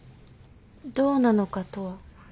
どうなのかとは？